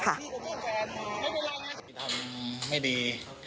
ทำไม่ดี